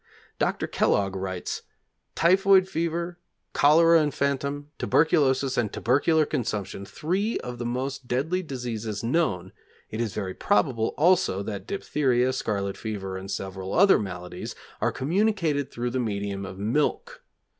Dr. Kellogg writes: Typhoid fever, cholera infantum, tuberculosis and tubercular consumption three of the most deadly diseases known; it is very probable also, that diphtheria, scarlet fever and several other maladies are communicated through the medium of milk....